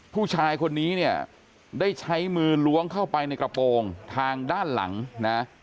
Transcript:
ผู้ชายคนนี้เนี่ยได้ใช้มือล้วงเข้าไปในกระโปรงทางด้านหลังนะ